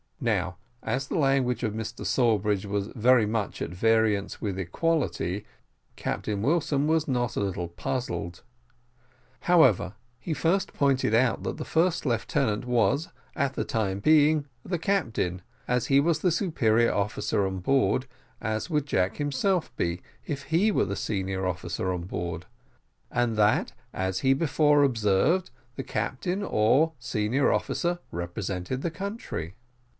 Now, as the language of Mr Sawbridge was very much at variance with equality, Captain Wilson was not a little puzzled. However, he first pointed out that the first lieutenant was, at the time being, the captain, as he was the senior officer on board, as would Jack himself be if he were the senior officer on board; and that, as he before observed, the captain or senior officer represented the country.